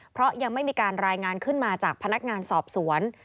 เพราะยังไม่มีการรายงานขึ้นมาจากพนักงานสอบสวน